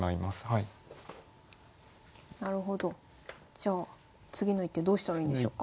じゃあ次の一手どうしたらいいんでしょうか。